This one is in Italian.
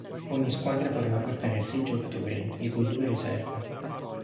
Ogni squadra poteva portare sei giocatori, di cui due riserve.